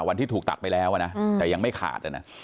วันที่ถูกตัดไปแล้วนะแต่ยังไม่ขาด